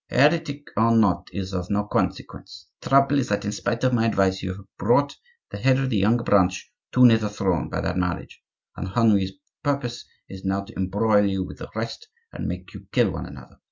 "Heretic or not is of no consequence; the trouble is that, in spite of my advice, you have brought the head of the younger branch too near the throne by that marriage, and Henri's purpose is now to embroil you with the rest and make you kill one another.